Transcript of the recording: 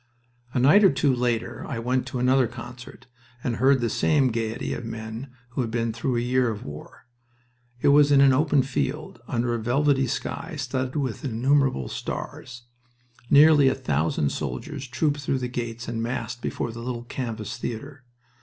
A night or two later I went to another concert and heard the same gaiety of men who had been through a year of war. It was in an open field, under a velvety sky studded with innumerable stars. Nearly a thousand soldiers trooped through the gates and massed before the little canvas theater.